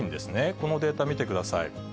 このデータ見てください。